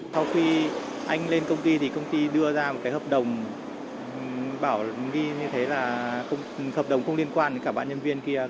sau khi anh lên công ty thì công ty đưa ra một cái hợp đồng bảo đi như thế là hợp đồng không liên quan đến cả ba nhân viên kia